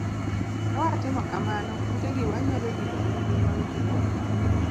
Ka watimo kamano kute gi wanyalo dino ne gi ma wiwa